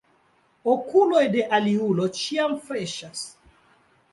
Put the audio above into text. Okuloj de aliulo ĉiam freŝas.